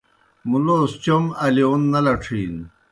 مُلوس چوْم الِیون نہ لڇِھینوْ۔